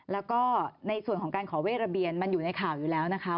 แล้วก็ในส่วนของการขอเวทระเบียนมันอยู่ในข่าวอยู่แล้วนะคะ